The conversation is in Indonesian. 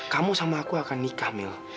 kamu sama aku akan nikah mel